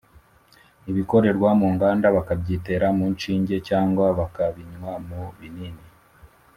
ibikorerwa mu nganda bakabyitera mu nshinge cyangwa bakabinywa mu binini.